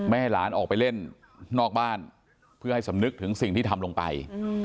ให้หลานออกไปเล่นนอกบ้านเพื่อให้สำนึกถึงสิ่งที่ทำลงไป